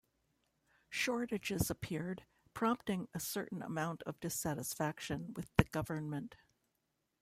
Shortages appeared, prompting a certain amount of dissatisfaction with the government.